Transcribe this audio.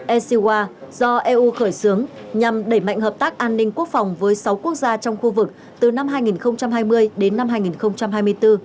ecwa do eu khởi xướng nhằm đẩy mạnh hợp tác an ninh quốc phòng với sáu quốc gia trong khu vực từ năm hai nghìn hai mươi đến năm hai nghìn hai mươi bốn